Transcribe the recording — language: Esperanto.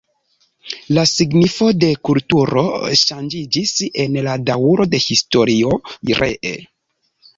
La signifo de kulturo ŝanĝiĝis en la daŭro de historio ree.